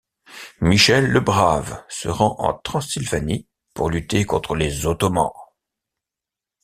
Michel le Brave se rend en Transylvanie pour lutter contre les Ottomans.